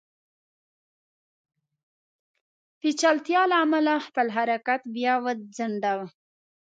پېچلتیا له امله خپل حرکت بیا وځنډاوه.